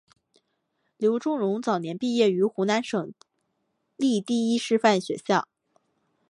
刘仲容早年毕业于湖南省立第一师范学校。